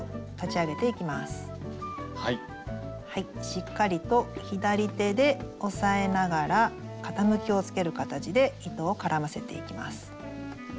しっかりと左手で押さえながら傾きをつける形で糸を絡ませていきます。